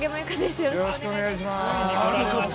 よろしくお願いします。